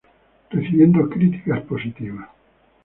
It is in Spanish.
Recibiendo críticas positivas.